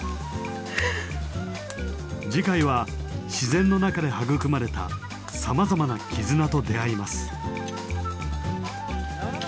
次回は自然の中で育まれたさまざまな絆と出会います。